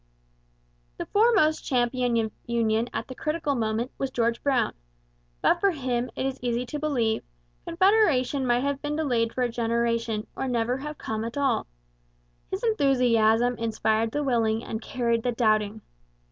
The foremost champion of union at the critical moment was George Brown. But for him, it is easy to believe, Confederation might have been delayed for a generation or never have come at all. His enthusiasm inspired the willing and carried the doubting.